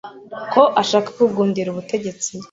ko ashaka kugundira ubutegetsi